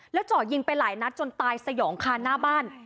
เจาะยิงไปหลายนัดจนตายสยองคานหน้าบ้าน